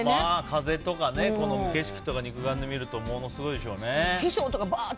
風とか、景色とか肉眼で見るとものすごいでしょうね。